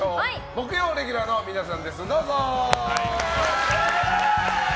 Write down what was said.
木曜レギュラーの皆さんです。